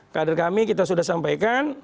kader kami kita sudah sampaikan